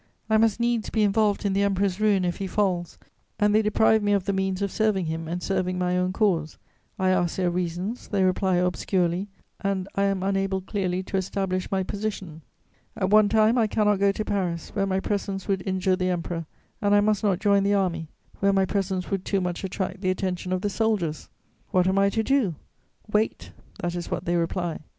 I must needs be involved in the Emperor's ruin if he falls, and they deprive me of the means of serving him and serving my own cause. I ask their reasons; they reply obscurely and I am unable clearly to establish my position. At one time I cannot go to Paris, where my presence would injure the Emperor, and I must not join the army, where my presence would too much attract the attention of the soldiers. What am I to do? Wait: that is what they reply.